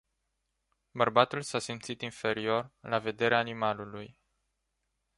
Bărbatul s-a simțit inferior la vederea animalului.